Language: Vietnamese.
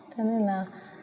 thế nên là